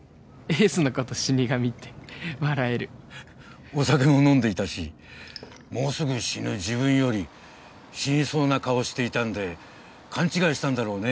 エースのこと死神って笑えるお酒も飲んでいたしもうすぐ死ぬ自分より死にそうな顔していたんで勘違いしたんだろうねね